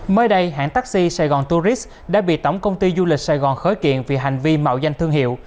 mới đây hãng taxi sài gòn tourist đã bị tổng công ty du lịch sài gòn khởi kiện vì hành vi mạo danh thương hiệu